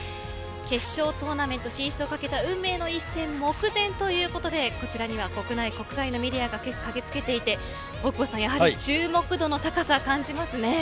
決勝トーナメント進出をかけた運命の一戦目前ということでこちらには国内、国外のメディアが駆け付けていて大久保さんやはり注目度の高さ感じますね。